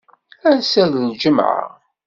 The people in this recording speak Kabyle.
Assa d lǧemεa.